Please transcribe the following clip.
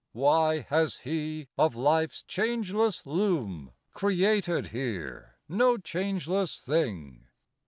Why has He, of Life's changeless loom, Created here no changeless thing?